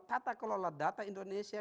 tata kelola data indonesia